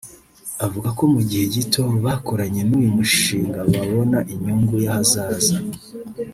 avuga ko mu gihe gito bakoranye n’uyu mushinga babona inyungu y’ahazaza